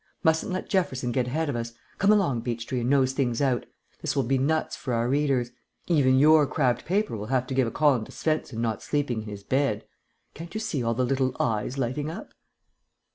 Mustn't let Jefferson get ahead of us. Come along, Beechtree, and nose things out. This will be nuts for our readers. Even your crabbed paper will have to give a column to Svensen Not Sleeping in his Bed. Can't you see all the little eyes lighting up?"